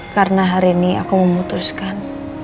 karena hari ini aku memutuskan